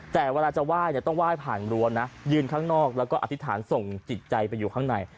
แต่เวลาจะไหว้เนี่ยต้องไหว้ผ่านรั้วนะยืนข้างนอกแล้วก็อธิษฐานส่งจิตใจไปอยู่ข้างใน